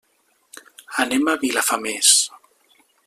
Anem a Vilafamés.